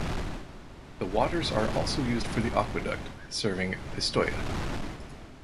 The waters are also used for the aqueduct serving Pistoia.